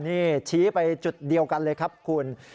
นี่ชี้ไปจุดเดียวกันเลยครับคุณ